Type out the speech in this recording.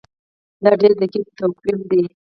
دا ډیر دقیق تقویم دی.